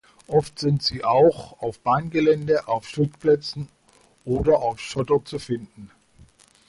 Oft sind sie auch auf Bahngelände, auf Schuttplätzen oder auf Schotter zu finden.